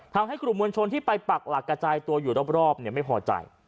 ทำให้กลุ่มมวลชนที่ไปปักหลักกระจายตัวอยู่รอบไม่พอใจ